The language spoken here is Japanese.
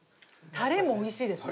タレも美味しいですね。